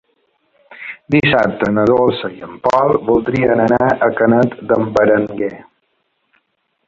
Dissabte na Dolça i en Pol voldrien anar a Canet d'en Berenguer.